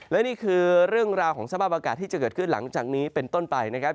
และนี่คือเรื่องราวของสภาพอากาศที่จะเกิดขึ้นหลังจากนี้เป็นต้นไปนะครับ